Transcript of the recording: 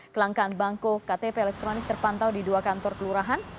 kelangkaan bangkok ktp elektronik terpantau di dua kantor kelurahan